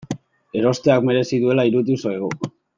Erosteak merezi duela iruditu zaigu.